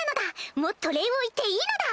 もっと礼を言っていいのだ！